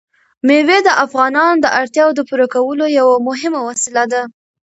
مېوې د افغانانو د اړتیاوو د پوره کولو یوه مهمه وسیله ده.